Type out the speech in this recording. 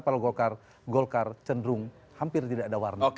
kalau golkar cenderung hampir tidak ada warna